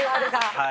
はい。